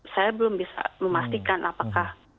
saya belum bisa memastikan apakah